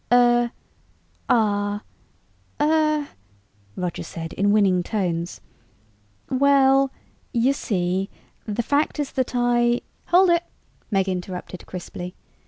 "Er ... ah ... er...." Roger said in winning tones. "Well, you see, the fact is that I...." "Hold it," Meg interrupted crisply.